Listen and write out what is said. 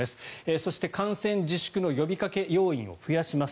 そして観戦自粛の呼びかけ要員を増やします。